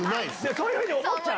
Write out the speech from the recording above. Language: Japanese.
そういうふうに思っちゃう。